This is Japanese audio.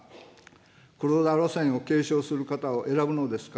黒田路線を継承する方を選ぶのですか。